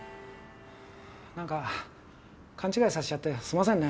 なんか勘違いさせちゃってすいませんね！